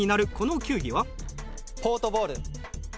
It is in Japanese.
ポートボール。